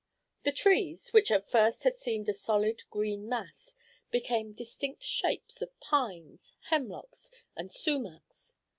The trees, which at first had seemed a solid green mass, became distinct shapes of pines, hemlocks, and sumachs.